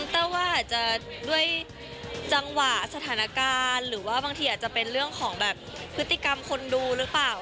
แต้วว่าอาจจะด้วยจังหวะสถานการณ์หรือว่าบางทีอาจจะเป็นเรื่องของแบบพฤติกรรมคนดูหรือเปล่า